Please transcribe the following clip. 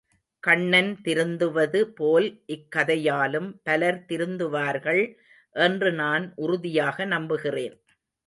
கண்ணன் திருந்துவது போல் இக்கதையாலும் பலர் திருந்துவார்கள் என்று நான் உறுதியாக நம்புகிறேன்.